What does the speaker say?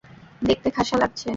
দেখতে খাসা লাগছে!